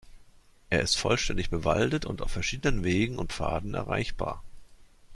Er ist vollständig bewaldet und auf verschiedenen Wegen und Pfaden erreichbar.